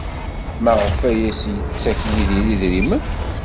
Maɣef ay as-yettakf Yidir idrimen?